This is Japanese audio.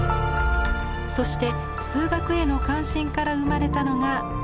そして数学への関心から生まれたのがこの作品でした。